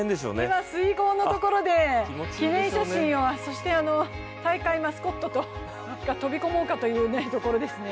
今水濠のところで記念写真を大会マスコットが飛び込もうかというところですね。